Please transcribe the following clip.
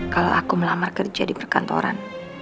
kalau aku melamar kerja di perkantoran